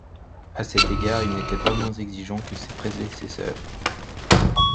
À cet égard il n'était pas moins exigeant que ses prédécesseurs.